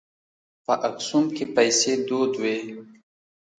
په اکسوم کې پیسې دود وې.